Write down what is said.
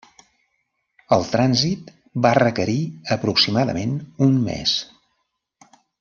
El trànsit va requerir aproximadament un mes.